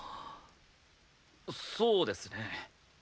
そうですね。